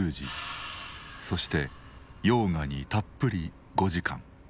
そしてヨーガにたっぷり５時間。